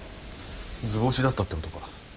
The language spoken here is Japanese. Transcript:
図星だったってことか。